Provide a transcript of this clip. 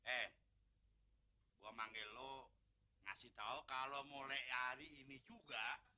eh gua manggil lu ngasih tau kalau mulai hari ini juga